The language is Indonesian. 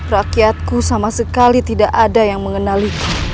rakyatku sama sekali tidak ada yang mengenaliku